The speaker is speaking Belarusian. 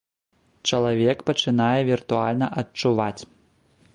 Чалавек пачынае віртуальна адчуваць.